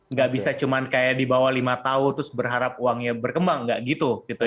nggak bisa cuma kayak di bawah lima tahun terus berharap uangnya berkembang nggak gitu gitu